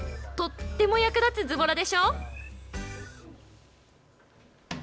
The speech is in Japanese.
とっても役立つずぼらでしょう。